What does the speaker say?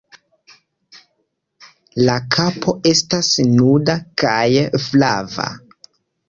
La kapo estas nuda kaj flava.